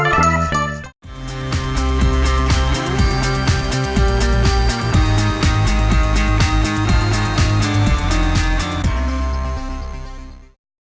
โปรดติดตามตอนต่อไป